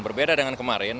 berbeda dengan kemarin